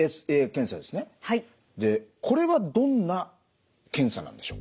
でこれはどんな検査なんでしょうか？